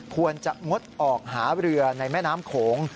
ควรจะงดออกหาเรือในแม่น้ำโขง